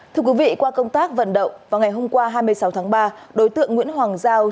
thưa quý vị qua công tác vận động vào ngày hôm qua hai mươi sáu tháng ba đối tượng nguyễn hoàng giao